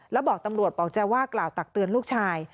แล้วบอกตำรวจบอกจะว่ากล่าวตักเตือนลูกชาย